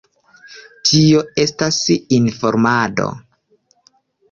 Tio estas informado.